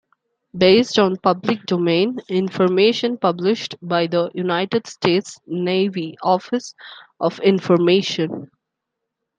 Based on public domain information published by the United States Navy Office of Information.